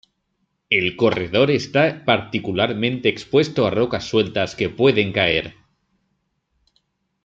El corredor está particularmente expuesto a rocas sueltas que pueden caer.